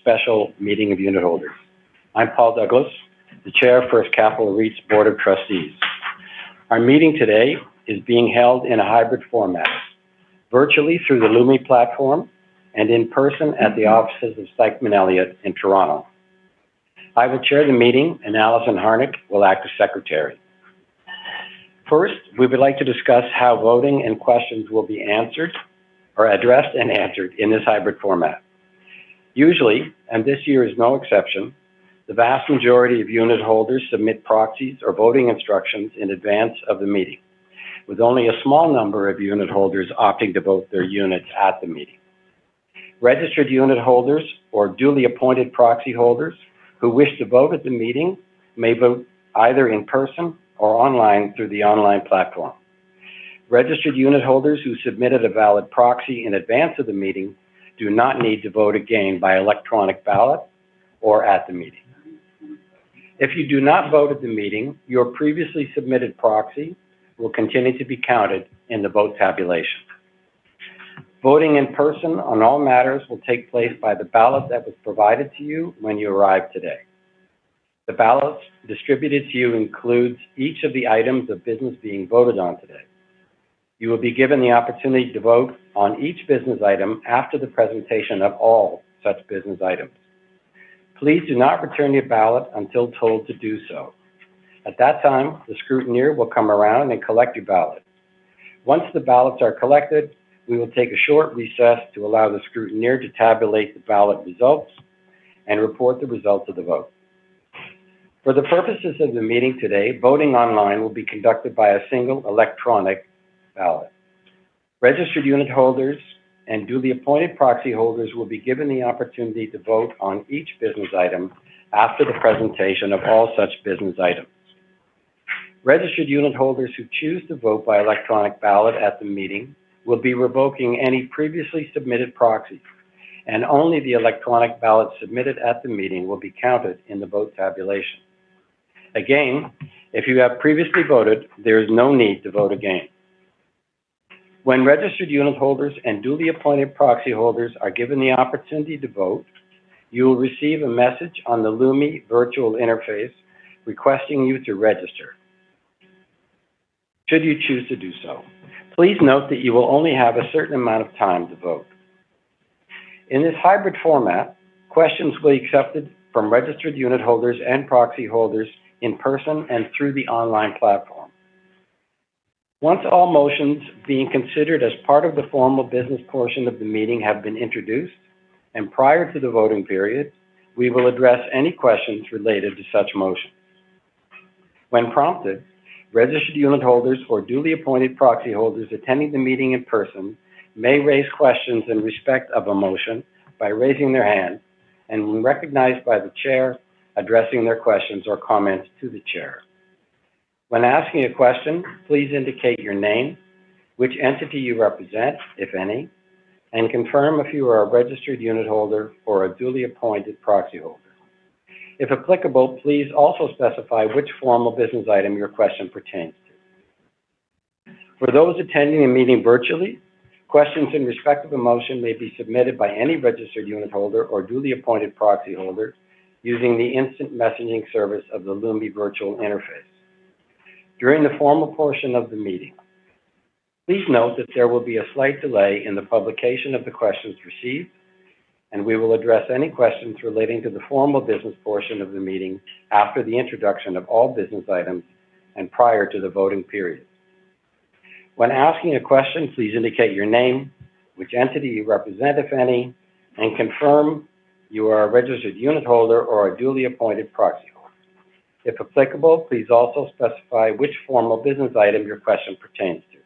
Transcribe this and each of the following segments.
Special meeting of unitholders. I'm Paul Douglas, the Chair of First Capital REIT's Board of Trustees. Our meeting today is being held in a hybrid format, virtually through the Lumi platform and in person at the offices of Stikeman Elliott in Toronto. I will chair the meeting, and Alison Harnick will act as Secretary. First, we would like to discuss how voting and questions will be answered or addressed and answered in this hybrid format. Usually, and this year is no exception, the vast majority of unitholders submit proxies or voting instructions in advance of the meeting, with only a small number of unitholders opting to vote their units at the meeting. Registered unitholders or duly appointed proxyholders who wish to vote at the meeting may vote either in person or online through the online platform. Registered unitholders who submitted a valid proxy in advance of the meeting do not need to vote again by electronic ballot or at the meeting. If you do not vote at the meeting, your previously submitted proxy will continue to be counted in the vote tabulation. Voting in person on all matters will take place by the ballot that was provided to you when you arrived today. The ballot distributed to you includes each of the items of business being voted on today. You will be given the opportunity to vote on each business item after the presentation of all such business items. Please do not return your ballot until told to do so. At that time, the scrutineer will come around and collect your ballot. Once the ballots are collected, we will take a short recess to allow the scrutineer to tabulate the ballot results and report the results of the vote. For the purposes of the meeting today, voting online will be conducted by a single electronic ballot. Registered unitholders and duly appointed proxyholders will be given the opportunity to vote on each business item after the presentation of all such business items. Registered unitholders who choose to vote by electronic ballot at the meeting will be revoking any previously submitted proxies, and only the electronic ballot submitted at the meeting will be counted in the vote tabulation. Again, if you have previously voted, there is no need to vote again. When registered unitholders and duly appointed proxyholders are given the opportunity to vote, you will receive a message on the Lumi virtual interface requesting you to register, should you choose to do so. Please note that you will only have a certain amount of time to vote. In this hybrid format, questions will be accepted from registered unitholders and proxyholders in person and through the online platform. Once all motions being considered as part of the formal business portion of the meeting have been introduced, and prior to the voting period, we will address any questions related to such motions. When prompted, registered unitholders or duly appointed proxyholders attending the meeting in person may raise questions in respect of a motion by raising their hand, and when recognized by the Chair, addressing their questions or comments to the Chair. When asking a question, please indicate your name, which entity you represent, if any, and confirm if you are a registered unitholder or a duly appointed proxyholder. If applicable, please also specify which formal business item your question pertains to. For those attending the meeting virtually, questions in respect of a motion may be submitted by any registered unitholder or duly appointed proxyholder using the instant messaging service of the Lumi virtual interface during the formal portion of the meeting. Please note that there will be a slight delay in the publication of the questions received, and we will address any questions relating to the formal business portion of the meeting after the introduction of all business items and prior to the voting period. When asking a question, please indicate your name, which entity you represent, if any, and confirm you are a registered unitholder or a duly appointed proxyholder. If applicable, please also specify which formal business item your question pertains to.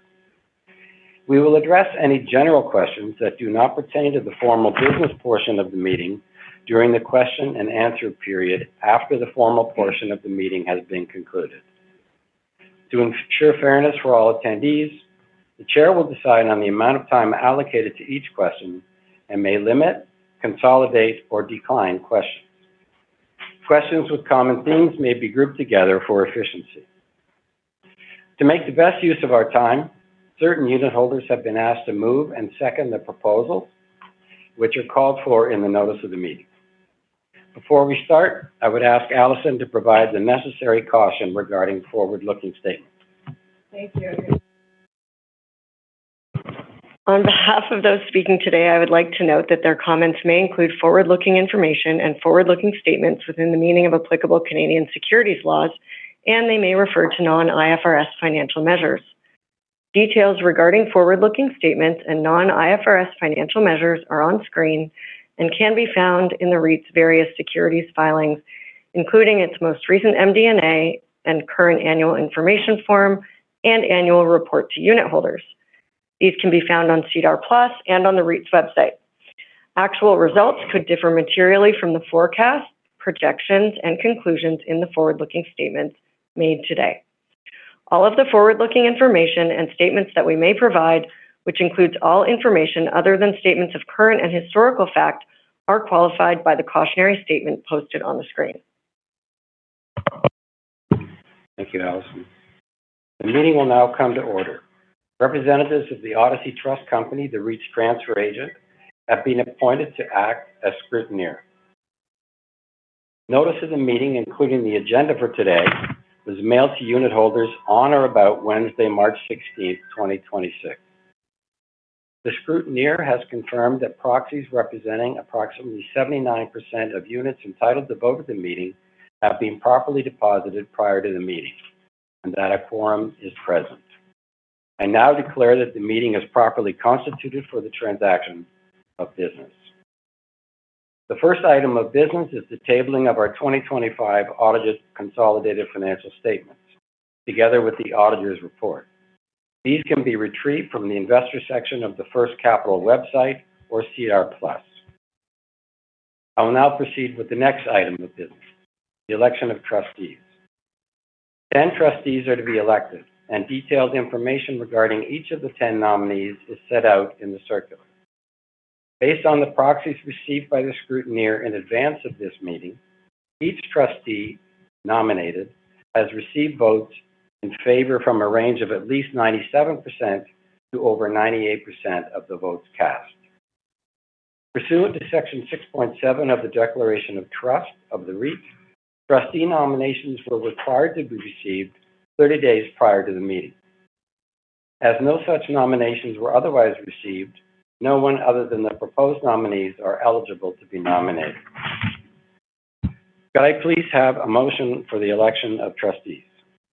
We will address any general questions that do not pertain to the formal business portion of the meeting during the question and answer period after the formal portion of the meeting has been concluded. To ensure fairness for all attendees, the Chair will decide on the amount of time allocated to each question and may limit, consolidate, or decline questions. Questions with common themes may be grouped together for efficiency. To make the best use of our time, certain unitholders have been asked to move and second the proposals which are called for in the Notice of the Meeting. Before we start, I would ask Alison to provide the necessary caution regarding forward-looking statements. Thank you. On behalf of those speaking today, I would like to note that their comments may include forward-looking information and forward-looking statements within the meaning of applicable Canadian securities laws, and they may refer to non-IFRS financial measures. Details regarding forward-looking statements and non-IFRS financial measures are on screen and can be found in the REIT's various securities filings, including its most recent MD&A and current annual information form and annual report to unitholders. These can be found on SEDAR+ and on the REIT's website. Actual results could differ materially from the forecasts, projections, and conclusions in the forward-looking statements made today. All of the forward-looking information and statements that we may provide, which includes all information other than statements of current and historical fact, are qualified by the cautionary statement posted on the screen. Thank you Alison. The meeting will now come to order. Representatives of the Odyssey Trust Company, the REIT's transfer agent, have been appointed to act as scrutineer. Notice of the meeting, including the agenda for today, was mailed to unitholders on or about Wednesday, March 16th, 2026. The scrutineer has confirmed that proxies representing approximately 79% of units entitled to vote at the meeting have been properly deposited prior to the meeting, and that a quorum is present. I now declare that the meeting is properly constituted for the transaction of business. The first item of business is the tabling of our 2025 audited consolidated financial statements, together with the auditor's report. These can be retrieved from the investor section of the First Capital website or SEDAR+. I will now proceed with the next item of business, the election of trustees. 10 Trustees are to be elected, and detailed information regarding each of the 10 nominees is set out in the circular. Based on the proxies received by the scrutineer in advance of this meeting, each Trustee nominated has received votes in favor from a range of at least 97%-over 98% of the votes cast. Pursuant to Section 6.7 of the Declaration of Trust of the REIT, Trustee nominations were required to be received 30 days prior to the meeting. As no such nominations were otherwise received, no one other than the proposed nominees are eligible to be nominated. Could I please have a motion for the election of Trustees?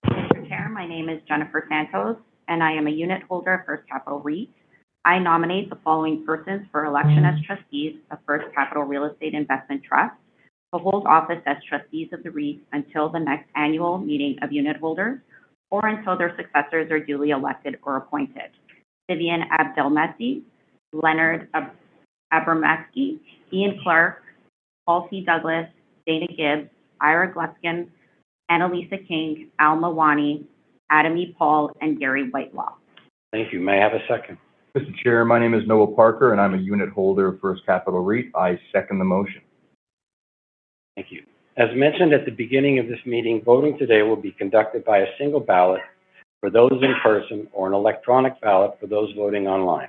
Mr. Chair my name is Jennifer Santos, and I am a Unitholder of First Capital REIT. I nominate the following persons for election as Trustees of First Capital Real Estate Investment Trust, to hold office as Trustees of the REIT until the next Annual Meeting of Unitholders, or until their successors are duly elected or appointed, Vivian Abdelmessih, Leonard Abramsky, Ian Clarke, Paul C. Douglas, Dayna Gibbs, Ira Gluskin, Annalisa King, Al Mawani, Adam E. Paul, and Gary Whitelaw. Thank you. May I have a second? Mr. Chair my name is Noah Parker, and I'm a unitholder of First Capital REIT. I second the motion. Thank you. As mentioned at the beginning of this meeting, voting today will be conducted by a single ballot for those in person or an electronic ballot for those voting online.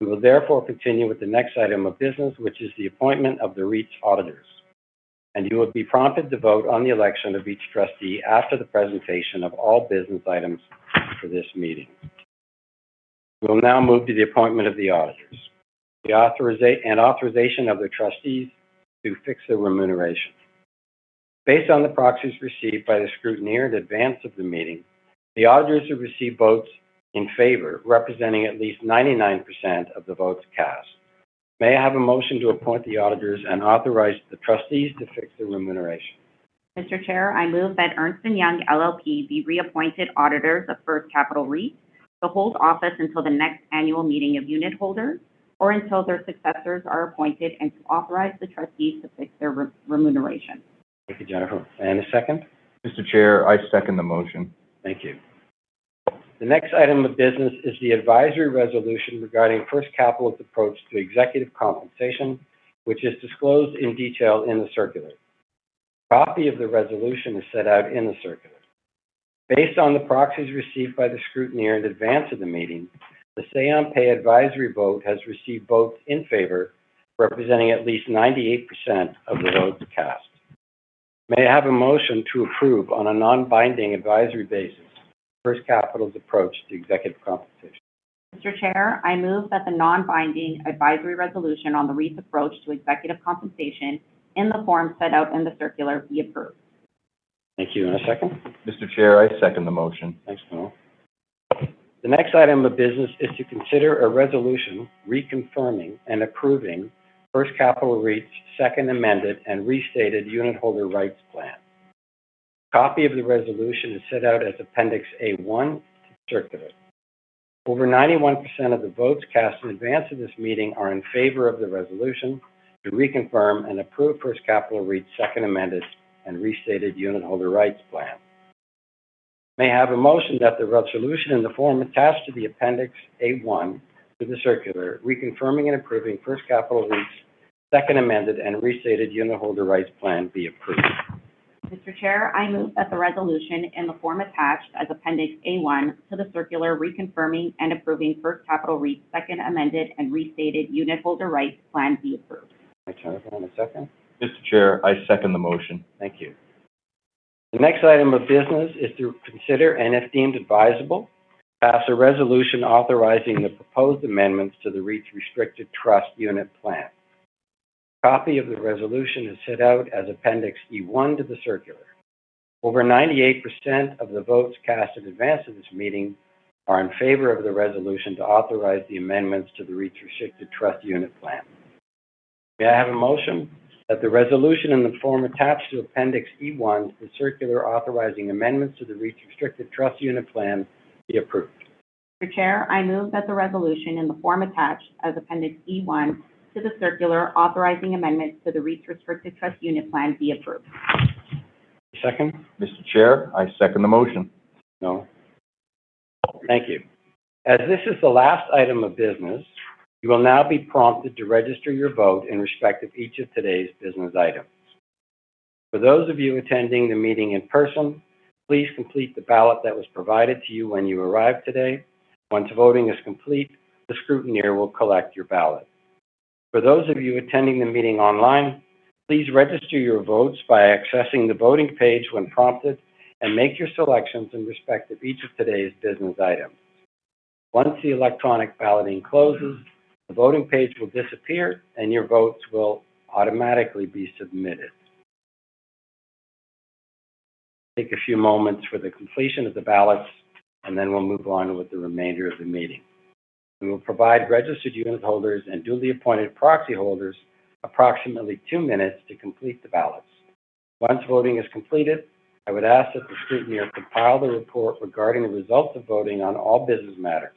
We will therefore continue with the next item of business, which is the appointment of the REIT's auditors, and you will be prompted to vote on the election of each Trustee after the presentation of all business items for this meeting. We will now move to the appointment of the auditors and authorization of the Trustees to fix their remuneration. Based on the proxies received by the scrutineer in advance of the meeting, the auditors have received votes in favor representing at least 99% of the votes cast. May I have a motion to appoint the auditors and authorize the Trustees to fix their remuneration? Mr. Chair, I move that Ernst & Young LLP be reappointed auditors of First Capital REIT to hold office until the next annual meeting of Unitholders, or until their successors are appointed and to authorize the Trustees to fix their remuneration. Thank you Jennifer. A second? Mr. Chair, I second the motion. Thank you. The next item of business is the advisory resolution regarding First Capital's approach to executive compensation, which is disclosed in detail in the circular. A copy of the resolution is set out in the circular. Based on the proxies received by the scrutineer in advance of the meeting, the say on pay advisory vote has received votes in favor representing at least 98% of the votes cast. May I have a motion to approve on a non-binding advisory basis First Capital's approach to executive compensation? Mr. Chair, I move that the non-binding advisory resolution on the REIT's approach to executive compensation in the form set out in the circular be approved. Thank you. A second? Mr. Chair, I second the motion. Thanks Noah. The next item of business is to consider a resolution reconfirming and approving First Capital REIT's Second Amended and Restated Unitholder Rights Plan. A copy of the resolution is set out as Appendix A1 to the circular. Over 91% of the votes cast in advance of this meeting are in favor of the resolution to reconfirm and approve First Capital REIT's Second Amended and Restated Unitholder Rights Plan. May I have a motion that the resolution in the form attached to the Appendix A1 to the circular, reconfirming and approving First Capital REIT's Second Amended and Restated Unitholder Rights Plan be approved? Mr. Chair, I move that the resolution in the form attached as Appendix A1 to the Circular reconfirming and approving First Capital REIT's Second Amended and Restated Unitholder Rights Plan be approved. Thanks Jennifer. A second? Mr. Chair, I second the motion. Thank you. The next item of business is to consider, and if deemed advisable, pass a resolution authorizing the proposed amendments to the REIT's restricted trust unit plan. A copy of the resolution is set out as Appendix E1 to the circular. Over 98% of the votes cast in advance of this meeting are in favor of the resolution to authorize the amendments to the REIT's restricted trust unit plan. May I have a motion that the resolution in the form attached to Appendix E1 to the circular authorizing amendments to the REIT's restricted trust unit plan be approved? Mr. Chair, I move that the resolution in the form attached as Appendix E1 to the circular authorizing amendments to the REIT's Restricted Trust Unit Plan be approved. Second? Mr. Chair, I second the motion. Thank you. As this is the last item of business, you will now be prompted to register your vote in respect of each of today's business items. For those of you attending the meeting in person, please complete the ballot that was provided to you when you arrived today. Once voting is complete, the scrutineer will collect your ballot. For those of you attending the meeting online, please register your votes by accessing the voting page when prompted and make your selections in respect of each of today's business items. Once the electronic balloting closes, the voting page will disappear and your votes will automatically be submitted. Take a few moments for the completion of the ballots, and then we'll move on with the remainder of the meeting. We will provide registered unitholders and duly appointed proxy holders approximately two minutes to complete the ballots. Once voting is completed, I would ask that the Scrutineer compile the report regarding the results of voting on all business matters.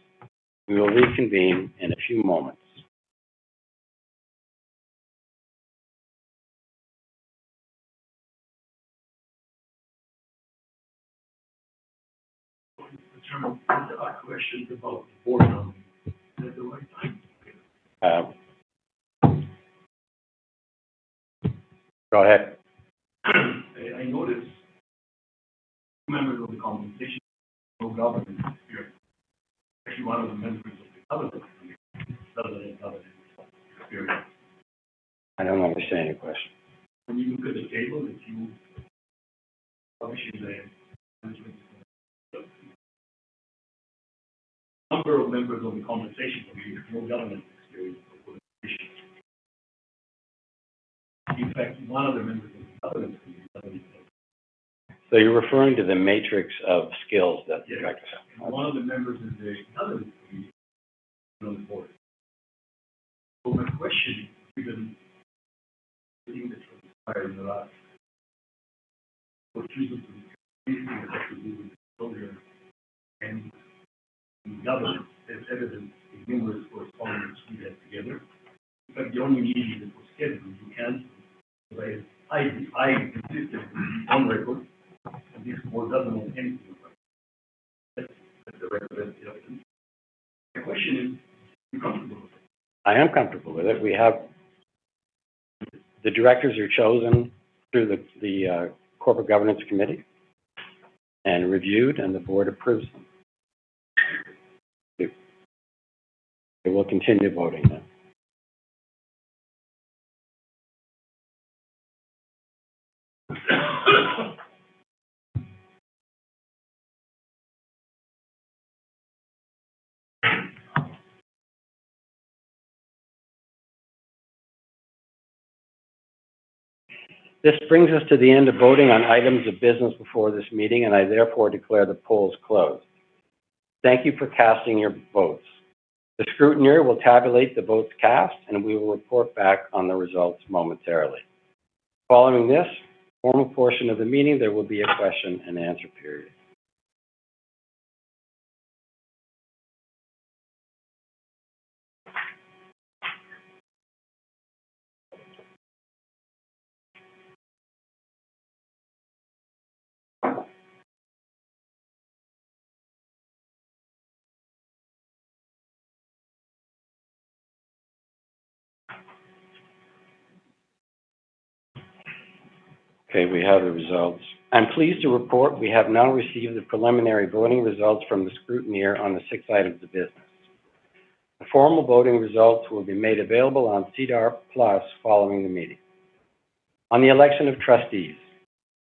We will reconvene in a few moments. I have a question about the Board nominee. Is that the right time? Go ahead. I notice members of the Compensation, Board Governance here, actually one of the members of the other committee other than Governance is here. I don't understand your question. When you look at the table, if you publish the management team, number of members on the Compensation Committee with no governance experience, in fact, one of the members of the other committee doesn't. You're referring to the matrix of skills. Yes. One of the members in the other committee is unimportant. My question, given the interest required in the last two or three years, everything that has to do with disclosure and governance as evidence, the numerous correspondence we had together, in fact, the only meeting that was scheduled, we can't, because I consistently keep on record, and this board doesn't want anything to do with it. That's the recommendation. My question is, are you comfortable with it? We have, the directors are chosen through the Corporate Governance Committee and reviewed, and the Board approves them. We will continue voting then. This brings us to the end of voting on items of business before this meeting, and I therefore declare the polls closed. Thank you for casting your votes. The scrutineer will tabulate the votes cast, and we will report back on the results momentarily. Following this formal portion of the meeting, there will be a question and answer period. Okay, we have the results. I'm pleased to report we have now received the preliminary voting results from the scrutineer on the six items of business. The formal voting results will be made available on SEDAR+ following the meeting. On the election of Trustees,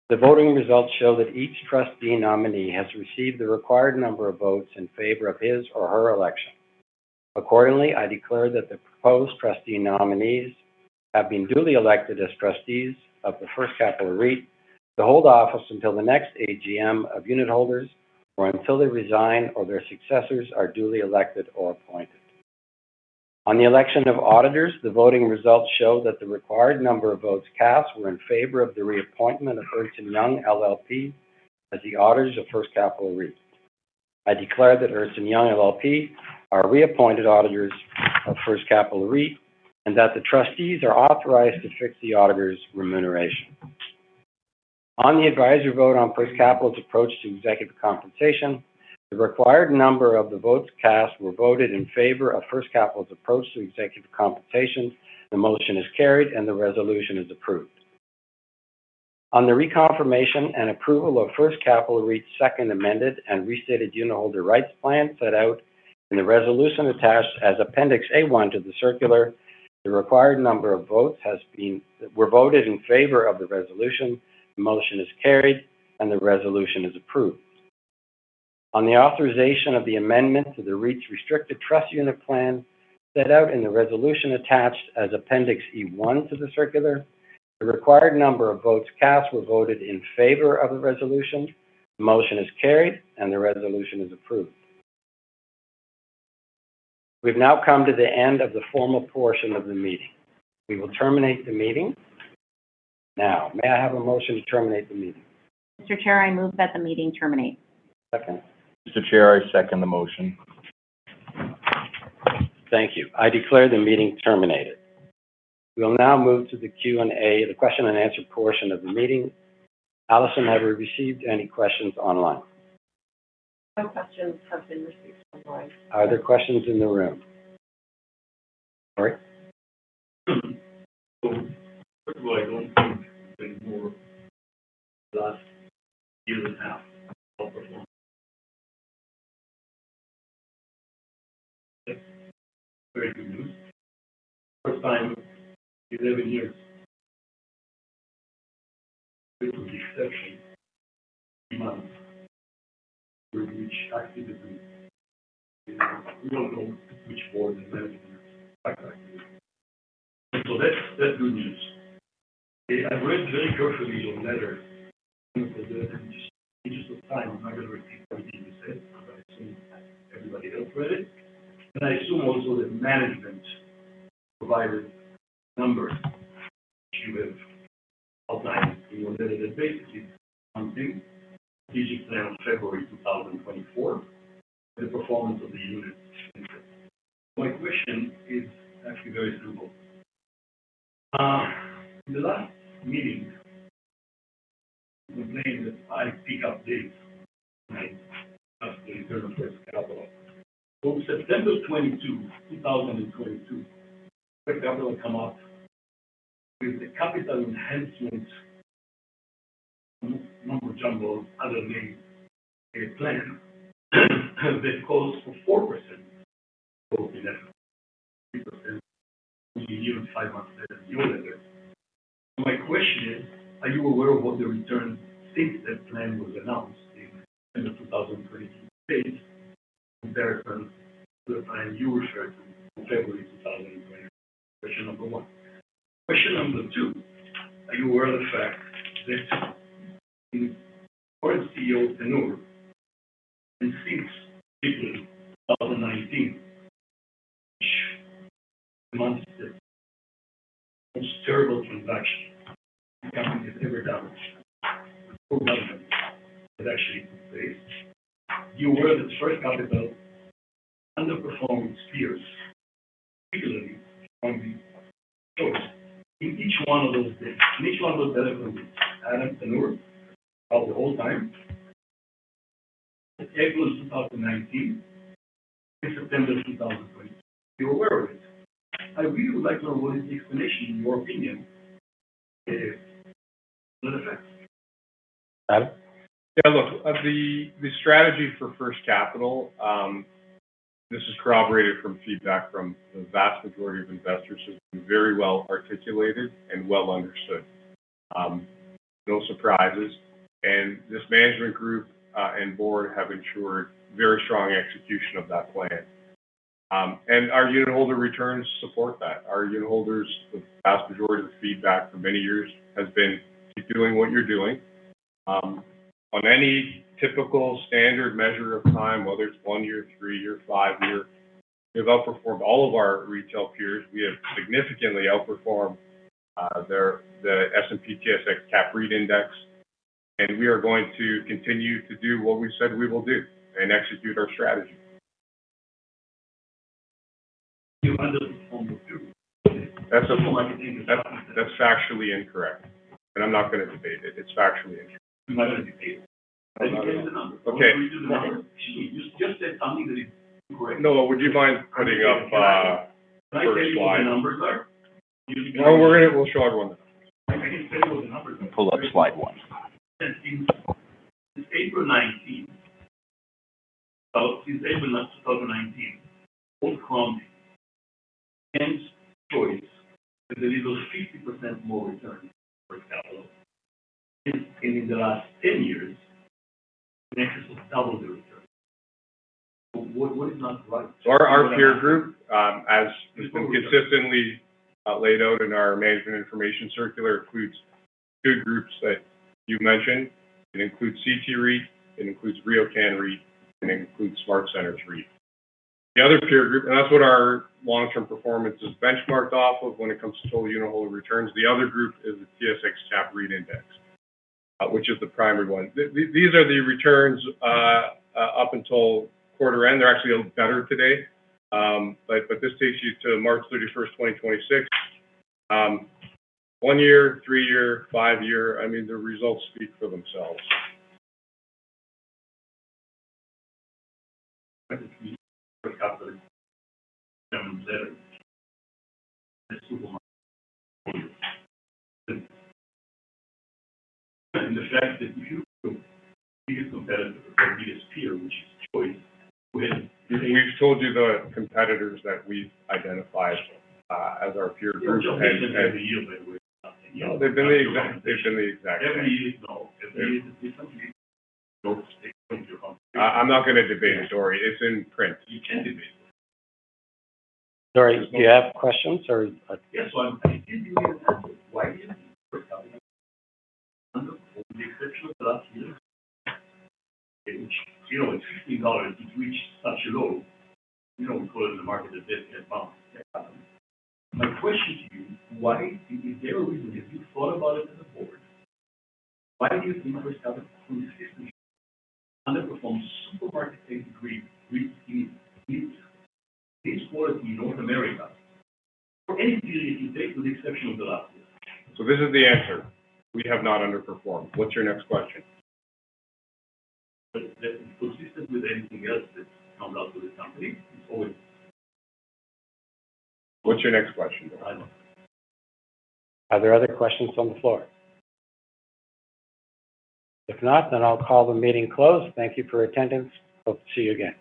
the voting results show that each Trustee nominee has received the required number of votes in favor of his or her election. Accordingly, I declare that the proposed Trustee nominees have been duly elected as Trustees of the First Capital REIT to hold office until the next AGM of Unitholders, or until they resign or their successors are duly elected or appointed. On the election of Auditors, the voting results show that the required number of votes cast were in favor of the reappointment of Ernst & Young LLP as the Auditors of First Capital REIT. I declare that Ernst & Young LLP are reappointed Auditors of First Capital REIT, and that the Trustees are authorized to fix the Auditors' remuneration. On the advisory vote on First Capital's approach to executive compensation, the required number of the votes cast were voted in favor of First Capital's approach to executive compensation. The motion is carried and the resolution is approved. On the reconfirmation and approval of First Capital REIT's second amended and restated unitholder rights plan set out in the resolution attached as Appendix A1 to the circular, the required number of votes were voted in favor of the resolution. The motion is carried and the resolution is approved. On the authorization of the amendment to the REIT's restricted trust unit plan set out in the resolution attached as Appendix E1 to the circular, the required number of votes cast were voted in favor of the resolution. The motion is carried and the resolution is approved. We've now come to the end of the formal portion of the meeting. We will terminate the meeting. Now, may I have a motion to terminate the meeting? Mr. Chair, I move that the meeting terminate. Second. Mr. Chair, I second the motion. Thank you. I declare the meeting terminated. We'll now move to the Q&A, the question and answer portion of the meeting. Alison, have we received any questions online? No questions have been received online. Are there questions in the room? Sorry. First of all, I don't think anymore the last year and a half outperformed. Very good news. First time in 11 years. I went through this session, three months, with which I actively, we all know which board members. That's good news. I read very carefully your letter in the interest of time. I'm not going to repeat what you said as I assume everybody else read it. I assume also that management provided numbers which you have outlined in your letter, that basically one thing, as of February 2024, the performance of the unit. My question is actually very simple. In the last meeting, you complained that I dig up things, right, as the return on First Capital? September 22, 2022, First Capital come out with a capital enhancement mumbo jumbo, other name, plan that calls for 4% for 11 years, 3% will be given five months after the unitholders. My question is, are you aware of what the return since that plan was announced in September 2022 compared from the time you referred to, February 2024? Question number one. Question number two, are you aware of the fact that in Board CEO tenure, and since April 2019, which demonstrates the most terrible transaction the company has ever done. Before bankruptcy, but actually since. You aware that First Capital underperformed its peers, particularly from Choice in each one of those dates, in each one of those letters from Adam Paul's tenure of the whole time, April 2019 to September 2020. You're aware of it? I really would like to know what is the explanation, in your opinion, if that is a matter of fact. Adam? Yeah, look, the strategy for First Capital, this is corroborated from feedback from the vast majority of investors, has been very well articulated and well understood. No surprises. This Management Group and Board have ensured very strong execution of that plan. Our unitholder returns support that. Our unitholders, the vast majority of the feedback for many years has been, keep doing what you're doing. On any typical standard measure of time, whether it's one year, three year, five year, we have outperformed all of our retail peers. We have significantly outperformed the S&P/TSX Capped REIT Index, and we are going to continue to do what we said we will do and execute our strategy. You underperformed them too. That's factually incorrect, and I'm not going to debate it. It's factually incorrect. I'm not going to debate it. Have you given the numbers? Okay. Can we do the numbers? You just said something that is incorrect. Noah, would you mind putting up the first slide? Can I tell you what the numbers are? No, we'll show everyone. I can tell you what the numbers are. Pull up slide one. Since April 2019, both Crombie and Choice Properties have delivered 50% more return for First Capital. In the last 10 years, an excess of double the return. What is not right? Our peer group, has been consistently laid out in our Management Information Circular, includes two groups that you mentioned. It includes CT REIT, it includes RioCan REIT, and it includes SmartCentres REIT. The other peer group, and that's what our long-term performance is benchmarked off of when it comes to total unitholder returns. The other group is the TSX Capped REIT Index, which is the primary one. These are the returns up until quarter end. They're actually a little better today. This takes you to March 31st, 2026. One year, three year, five year, I mean, the results speak for themselves. First Capital, the fact that you compete a competitor or be its peer, which is Choice. We've told you the competitors that we've identified as our peer group. They've changed every year, by the way. No, they've been the exact same. Every year is different. No, they don't. I'm not going to debate history. It's in print. You can debate. Sorry, do you have questions or? Yes. One, can you give me a reason why do you think First Capital underperformed with the exception of the last year, which at CAD 15, it reached such a low, we call it in the market a dead cat bounce? To Adam, my question to you, is there a reason, have you thought about it as a Board, why do you think First Capital consistently underperforms supermarket-based REIT in its quality in North America for any period you take with the exception of the last year? This is the answer. We have not underperformed. What's your next question? Is that consistent with anything else that's come out of this company? What's your next question? I don't know. Are there other questions on the floor? If not, then I'll call the meeting closed. Thank you for attendance. Hope to see you again.